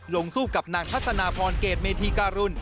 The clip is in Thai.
ลงสู้กับนางทัศนาพรเกรดเมธีการุล